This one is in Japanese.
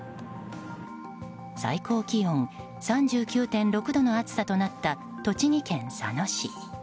最高気温３９．６度の暑さとなった栃木県佐野市。